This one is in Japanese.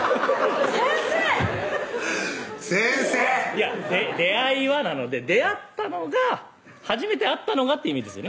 いや「出会いは」なので出会ったのが初めて会ったのがって意味です